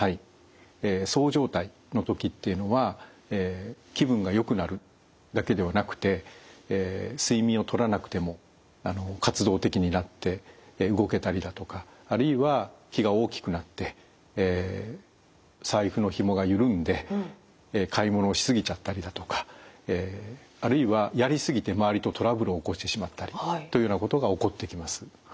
そう状態の時っていうのは気分がよくなるだけではなくて睡眠をとらなくても活動的になって動けたりだとかあるいは気が大きくなって財布のひもが緩んで買い物をし過ぎちゃったりだとかあるいはやり過ぎて周りとトラブルを起こしてしまったりというようなことが起こってきます。